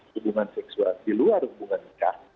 hubungan seksual di luar hubungan nikah